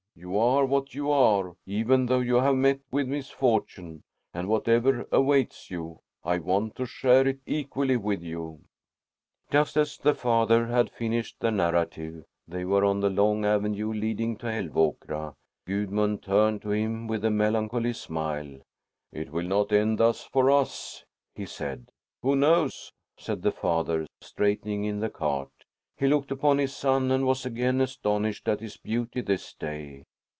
You are what you are, even though you have met with misfortune, and whatever awaits you, I want to share it equally with you.'" Just as the father had finished the narrative, they were on the long avenue leading to Älvåkra. Gudmund turned to him with a melancholy smile. "It will not end thus for us," he said. "Who knows?" said the father, straightening in the cart. He looked upon his son and was again astonished at his beauty this day.